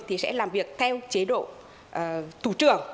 thì sẽ làm việc theo chế độ thủ trưởng